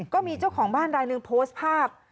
ก็มีเจ้าของบ้านรายหนึ่งโพสต์ภาพ